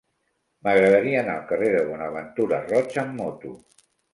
M'agradaria anar al carrer de Bonaventura Roig amb moto.